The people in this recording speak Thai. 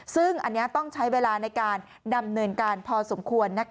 ซึ่งอันนี้ต้องใช้เวลาในการดำเนินการพอสมควร